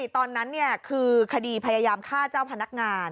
ตอนนั้นคือคดีพยายามฆ่าเจ้าพนักงาน